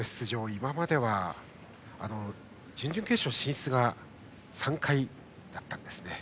今までは準々決勝進出が３回だったんですね。